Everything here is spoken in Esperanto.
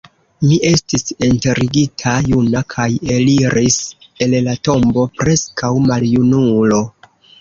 Mi estis enterigita juna kaj eliris el la tombo preskaŭ maljunulo.